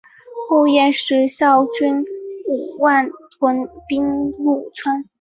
后燕时率军五万屯兵潞川。